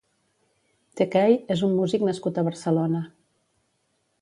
T-key és un músic nascut a Barcelona.